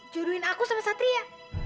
jodohin aku sama satria